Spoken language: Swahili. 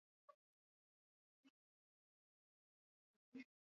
hewa katika maeneo ya mijini Uhusiano kati ya Sayansi